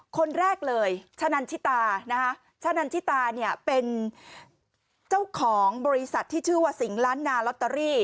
คนแรกเลยชะนันชิตานะฮะชะนันชิตาเนี่ยเป็นเจ้าของบริษัทที่ชื่อว่าสิงห์ล้านนาลอตเตอรี่